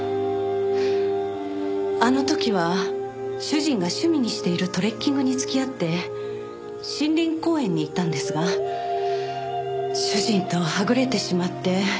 あの時は主人が趣味にしているトレッキングに付き合って森林公園に行ったんですが主人とはぐれてしまって。